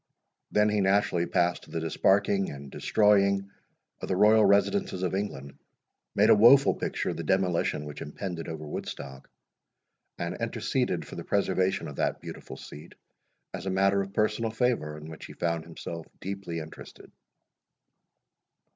Then he naturally passed to the disparking and destroying of the royal residences of England, made a woful picture of the demolition which impended over Woodstock, and interceded for the preservation of that beautiful seat, as a matter of personal favour, in which he found himself deeply interested.